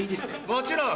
もちろん。